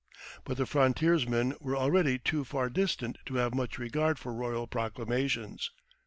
But the frontiersmen were already too far distant to have much regard for royal proclamations.